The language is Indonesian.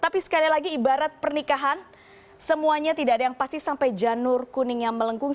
tapi sekali lagi ibarat pernikahan semuanya tidak ada yang pasti sampai janur kuningnya melengkung